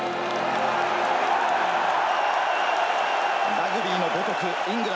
ラグビーの母国イングラ